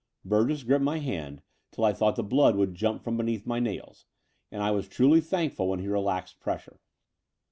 Burgess gripped my hand till I thought the blood would jump from beneath my nails: and I was truly thankful when he relaxed pressure.